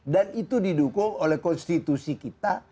dan itu didukung oleh konstitusi kita